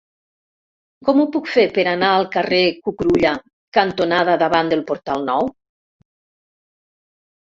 Com ho puc fer per anar al carrer Cucurulla cantonada Davant del Portal Nou?